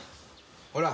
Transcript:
ほら。